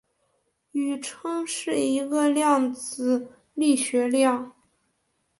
宇称是一个量子力学量。